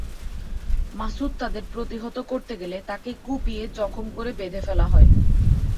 মাসুদ তাদের প্রতিহত করতে গেলে তাঁকে কুপিয়ে জখম করে বেঁধে ফেলা হয়।